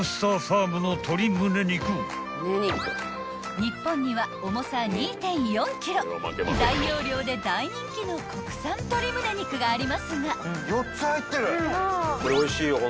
［日本には重さ２．４ｋｇ大容量で大人気の国産鶏むね肉がありますが］